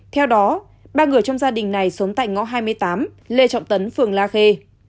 theo đó ba người trong gia đình này sống tại ngõ hai mươi tám lê trọng tấn phường la khê